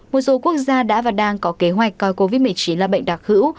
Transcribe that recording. một số quốc gia đã và đang có kế hoạch coi covid một mươi chín là bệnh đặc hữu